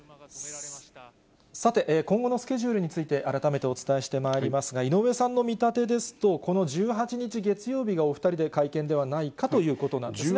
さて、今後のスケジュールについて改めてお伝えしてまいりますが、井上さんの見立てですと、この１８日月曜日がお２人で会見ではないかということなんですね。